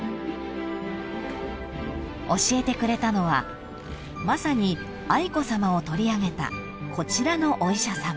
［教えてくれたのはまさに愛子さまを取り上げたこちらのお医者さま］